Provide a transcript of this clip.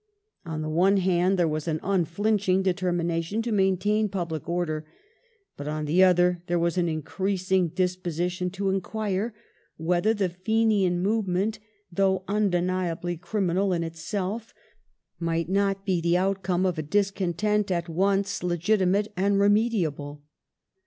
On the one hand there was an unflinching determination to maintain public order ; but on the other there was an increasing disposition to inquire whether the Fenian move ment, though undeniably criminal in itself, might not be the out come of a discontent at once legitimate and remediable.